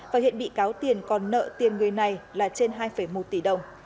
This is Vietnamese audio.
và hiện bị cáo tiền còn nợ tiền người này là trên hai một tỷ đồng